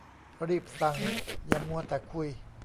รีบสั่ง อย่ามัวแต่คุย